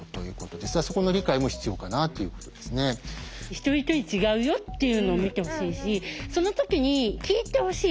一人一人違うよっていうのを見てほしいしそのときに聞いてほしい。